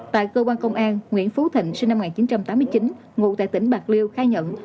tại cơ quan công an nguyễn phú thịnh sinh năm một nghìn chín trăm tám mươi chín ngụ tại tỉnh bạc liêu khai nhận